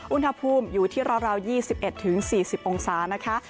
อุณหภูมิอยู่ที่ร้อนราวยี่สิบเอ็ดถึงสี่สิบองศานะคะ